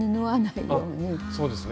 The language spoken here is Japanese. そうですね。